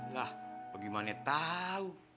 lah bagaimana tau